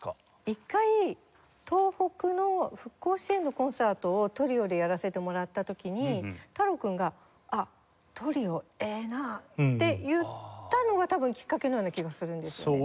一回東北の復興支援のコンサートをトリオでやらせてもらった時に太郎君が「あっトリオええなあ」って言ったのが多分きっかけのような気がするんですよね。